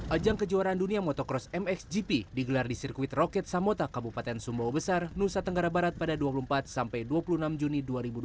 ajang kejuaraan dunia motocross mxgp digelar di sirkuit roket samota kabupaten sumbawa besar nusa tenggara barat pada dua puluh empat sampai dua puluh enam juni dua ribu dua puluh